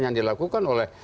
yang dilakukan oleh